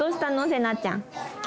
せなちゃん。